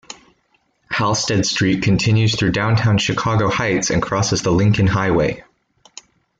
Halsted Street continues through downtown Chicago Heights and crosses the Lincoln Highway.